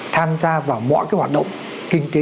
tham gia vào mọi cái hoạt động kinh tế